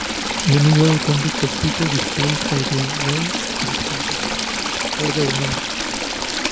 Many were convicts or people displaced by the wars further north.